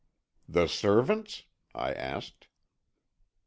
"The servants?" I asked.